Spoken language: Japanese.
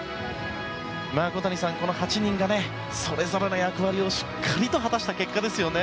小谷さん、８人がそれぞれの役割をしっかりと果たした結果ですよね。